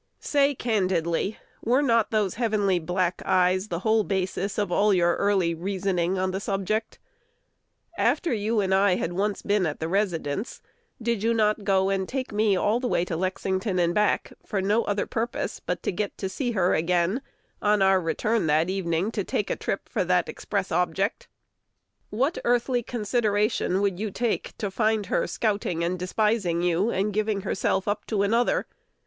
Say candidly, were not those heavenly black eyes the whole basis of all your early reasoning on the subject? After you and I had once been at the residence, did you not go and take me all the way to Lexington and back, for no other purpose but to get to see her again, on our return on that evening to take a trip for that express object? What earthly consideration would you take to find her scouting and despising you, and giving herself up to another?